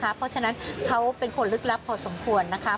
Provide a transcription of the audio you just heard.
เพราะฉะนั้นเขาเป็นคนลึกลับพอสมควรนะคะ